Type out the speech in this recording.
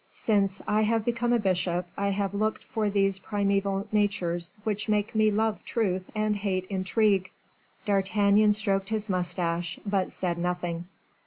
Since I have become a bishop, I have looked for these primeval natures, which make me love truth and hate intrigue." D'Artagnan stroked his mustache, but said nothing.